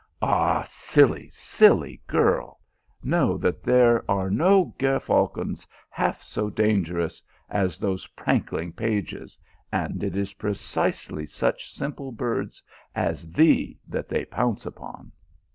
" Ah, silly, silly girl ! know that there are no ger falcons half so dangerous as these prankling pages, and it is precisely such simple birds as thee that they pounce upon."